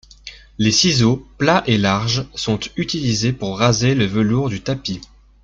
Les ciseaux, plats et larges, sont utilisés pour raser le velours du tapis.